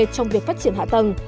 trong việc phát triển hạ tầng